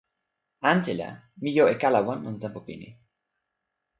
ante la, mi jo e kala wan lon tenpo pini.